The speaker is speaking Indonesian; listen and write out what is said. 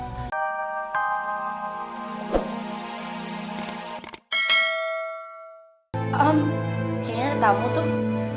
ehm kayaknya ada tamu tuh